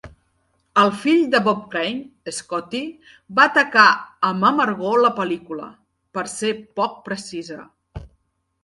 El fill de Bob Crane, Scotty, va atacar amb amargor la pel·lícula, per ser poc precisa.